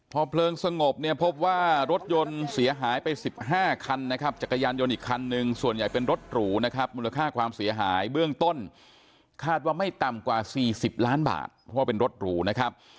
พอเพลิงสงบเนี่ยพบว่ารถยนต์เสียหายไป๑๕คันนะครับจักรยานยนต์อีกคันนึงส่วนใหญ่เป็นรถหรูนะครับมูลค่าความเสียหายเบื้องต้นคาดว่าไม่ต่ำกว่า๔๐ล้านบาทเพราะว่าเป็นรถหรูนะครับ